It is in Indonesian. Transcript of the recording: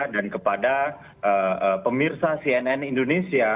dan kepada pemirsa cnn indonesia